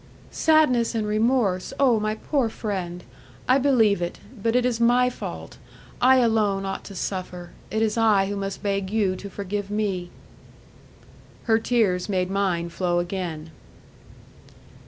"Sadness and remorse! Oh, my poor friend! I believe it. But it is my fault; I alone ought to suffer; it is I who must beg you to forgive me." Her tears made mine flow again.